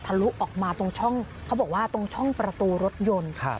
ลุออกมาตรงช่องเขาบอกว่าตรงช่องประตูรถยนต์